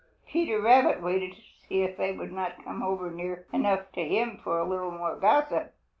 Peter Rabbit waited to see if they would not come over near enough to him for a little more gossip.